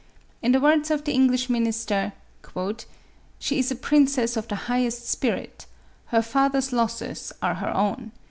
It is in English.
In the words of the English minister, "She is a princess of the highest spirit; her father's losses are her own.